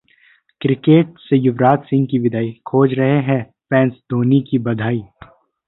cricket से युवराज सिंह की विदाई, खोज रहे हैं फैंस धोनी की बधाई